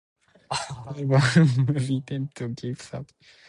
The album was intended to keep Savatage material on display in Japanese music stores.